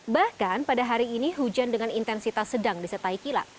bahkan pada hari ini hujan dengan intensitas sedang disertai kilat